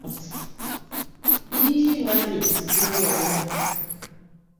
Yiii, nga tuli ku kizibu wano!